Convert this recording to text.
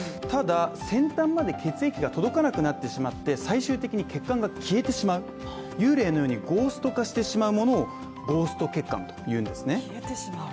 ただ、先端まで血液が届かなくなってしまって最終的に血管が消えてしまう幽霊のようにゴースト化してしまうものを、ゴースト血管と言うんですね。